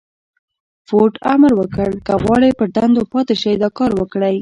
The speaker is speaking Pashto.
فورډ امر وکړ که غواړئ پر دندو پاتې شئ دا کار وکړئ.